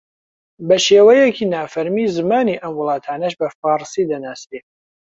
بە شێوەیەکی نافەرمی زمانی ئەم وڵاتانەش بە فارسی دەناسرێ